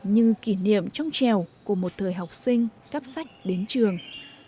như kỷ niệm trong trèo của một thời học sinh cắp sách đến trường